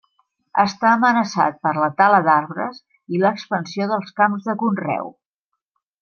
Està amenaçat per la tala d'arbres i l'expansió dels camps de conreu.